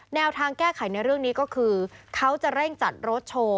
แนวทางแก้ไขในเรื่องนี้ก็คือเขาจะเร่งจัดรถโชว์